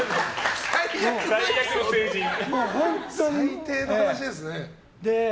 最低の話ですね。